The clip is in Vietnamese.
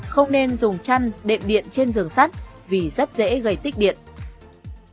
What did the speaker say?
không nên dùng chăn đệm điện trên giường sắt vì rất dễ dẫn đến cháy nổ